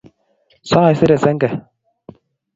Saisere senge